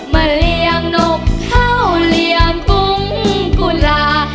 มาเลี้ยงนกเข้าเลี้ยงกุ้งกุล่า